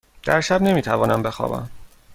در شب نمی توانم بخوابم.